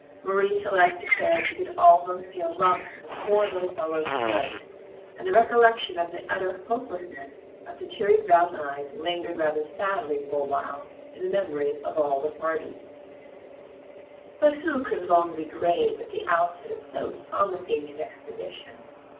Marie Celeste declared she could almost see the lump in the poor little fellow's throat, and the recollection of the utter hopelessness of the teary brown eyes lingered rather sadly for a while in the memory of all of the party. But who could long be grave at the outset of so promising an expedition!